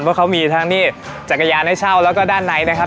เพราะเขามีทั้งนี่จักรยานให้เช่าแล้วก็ด้านในนะครับ